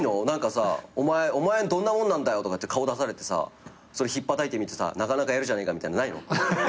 何かさお前どんなもんなんだよとかって顔出されてさそれひっぱたいてみてさなかなかやるじゃねえかみたいのないの？